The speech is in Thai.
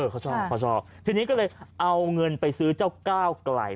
เขาชอบเขาชอบทีนี้ก็เลยเอาเงินไปซื้อเจ้าก้าวไกล